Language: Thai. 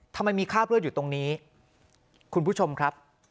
ทำไมมีคราบเลือดอยู่ตรงนี้คุณผู้ชมครับ